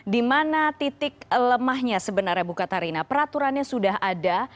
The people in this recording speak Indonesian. di mana titik lemahnya sebenarnya bukatarina peraturannya sudah ada